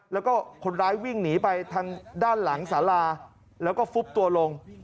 แล้วก็คนร้ายวิ่งหนีไปทางด้านหลังสาราแล้วก็ฟุบตัวลง